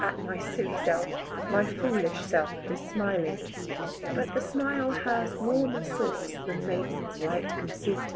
At my silly self my foolish self is smiling; but the smile has warmer source than maiden's light conceit.